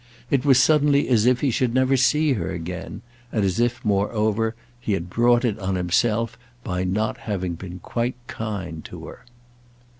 It was suddenly as if he should never see her again, and as if moreover he had brought it on himself by not having been quite kind to her.